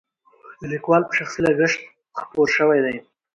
د لیکوال په شخصي لګښت خپور شوی دی.